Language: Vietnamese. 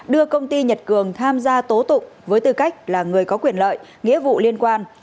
đưa công ty nhật cường tham gia tố tụng với tư cách là người có quyền lợi nghĩa vụ liên quan